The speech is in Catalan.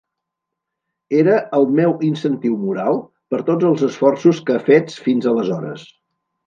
Era el meu incentiu moral per tots els esforços que fets fins aleshores